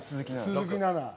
鈴木奈々。